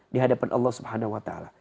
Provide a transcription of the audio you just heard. di hadapan allah swt